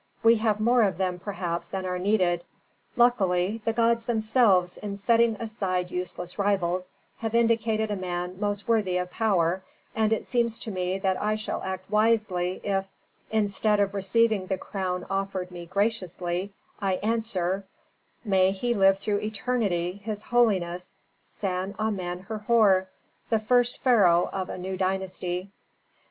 We have more of them perhaps than are needed. Luckily, the gods themselves, in setting aside useless rivals, have indicated a man most worthy of power, and it seems to me that I shall act wisely if, instead of receiving the crown offered me graciously, I answer, "May he live through eternity, his holiness, San Amen Herhor, the first pharaoh of a new dynasty!"